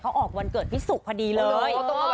เขาออกวันเกิดพี่สุกพอดีเลย